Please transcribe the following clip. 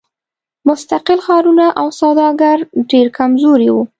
مستقل ښارونه او سوداګر ډېر کمزوري وو.